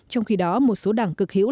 trong khi đó một số đảng cực hiểu